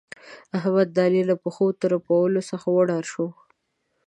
احمد؛ د علي له پښو ترپولو څخه وډار شو.